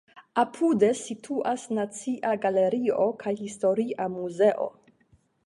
Apude situas Nacia Galerio kaj Historia Muzeo.